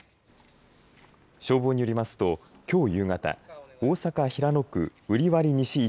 消防によりますときょう夕方大阪・平野区瓜破西１